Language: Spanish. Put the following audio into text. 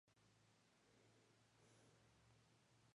Este sentido opera en dos modalidades: activa y pasiva.